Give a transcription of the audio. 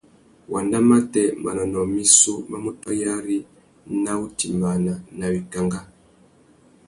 Wanda matê manônōh missú má mú taréyari nà wutimbāna nà wikangá.